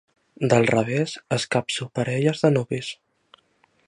Del revés, escapço parelles de nuvis.